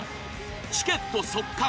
チケット即完！